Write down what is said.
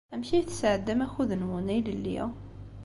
Amek ay tesɛeddam akud-nwen ilelli?